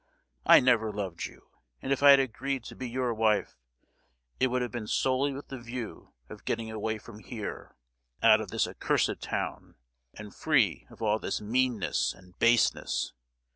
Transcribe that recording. I never loved you, and if I had agreed to be your wife, it would have been solely with the view of getting away from here, out of this accursed town, and free of all this meanness and baseness.